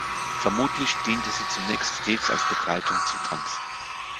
Vermutlich diente sie zunächst stets als Begleitung zum Tanz.